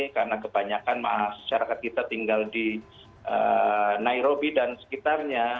karena kebanyakan masyarakat kita tinggal di nairobi dan sekitarnya